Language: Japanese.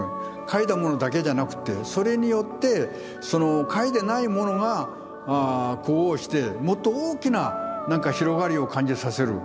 描いたものだけじゃなくてそれによって描いてないものが呼応してもっと大きななんか広がりを感じさせる。